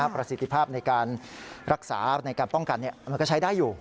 ประสิทธิภาพในการรักษาในการป้องกันมันก็ใช้ได้อยู่